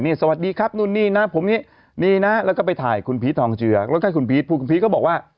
นี่สวัสดีครับนู่นนี่นะผมนี่นี่นะแล้วก็ไปถ่ายคุณพีชทองเจือกแล้วก็ให้คุณพีชพูดคุณพีชก็บอกว่า